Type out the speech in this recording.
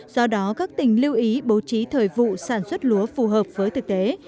do đó các tỉnh lưu ý bố trí thời vụ sản xuất lúa phù hợp với thực tế